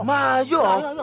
kamu tuh puk traditionally